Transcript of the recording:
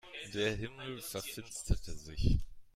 Der Himmel verfinsterte sich.